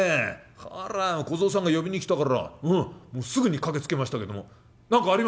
こら小僧さんが呼びに来たからすぐに駆けつけましたけども何かありましたか？」。